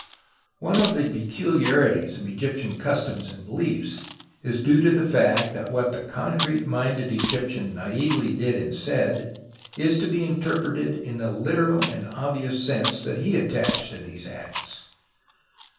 One of the peculiarities of Egyptian customs and beliefs is due to the fact that what the concrete minded Egyptian naively did and said is to be interpreted in the literal and obvious sense that he attached to these acts.